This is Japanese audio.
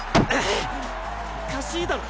おかしいだろ！